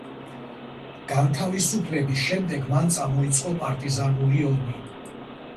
განთავისუფლების შემდეგ მან წამოიწყო პარტიზანული ომი.